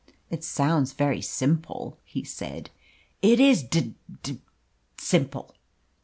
"It sounds very simple," he said. "It is; d d simple!